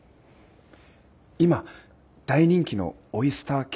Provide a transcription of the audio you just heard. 今大人気のオイスターＫ。